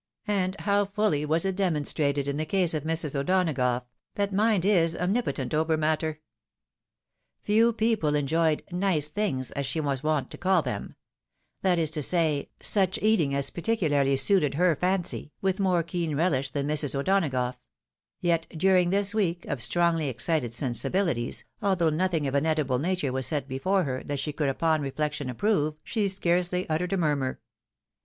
And how fully was it demonstrated in the case of Mrs. O'Donagough, that mind is omnipotent over matter ! Few people enjoyed " nice things" as she was wont to call them ; that is to say, such eating as particularly suited her fancy, with more keen relish than Mrs. O'Donagough ;■ yet, during this week of strongly excited sensi bihties, although nothing of an edible nature was set before her that she could upon reflection approve, she scarcely uttered a murmiir.